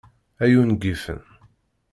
Ay ungifen!